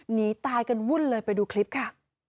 หนีตายกันวุ่นเลยไปดูคลิปค่ะ